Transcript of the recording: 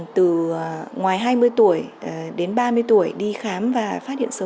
từ ngoài hai mươi tuổi đến ba mươi tuổi đi khám và phát hiện sớm